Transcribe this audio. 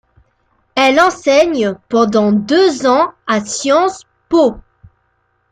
Elle enseigne pendant deux ans à Sciences Po.